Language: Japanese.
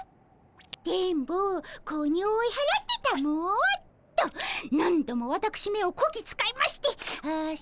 「電ボ子鬼を追い払ってたも」。と何度もわたくしめをこき使いましてあしんど。